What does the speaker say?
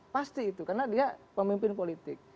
pasti itu karena dia pemimpin politik